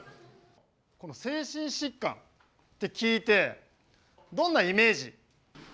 この精神疾患って聞いて、どんなイメージ。